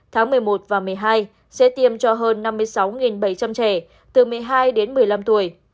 tháng một mươi một và một mươi hai sẽ tiêm cho hơn năm mươi sáu bảy trăm linh trẻ từ một mươi hai đến một mươi năm tuổi